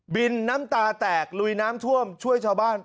น้ำตาแตกลุยน้ำท่วมช่วยชาวบ้าน